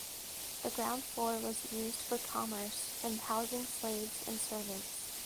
The ground floor was used for commerce and housing slaves and servants.